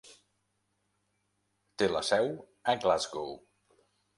Té la seu a Glasgow.